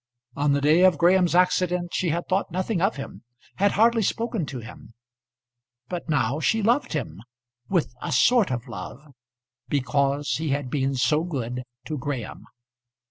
On the day of Graham's accident she had thought nothing of him, had hardly spoken to him. But now she loved him with a sort of love, because he had been so good to Graham.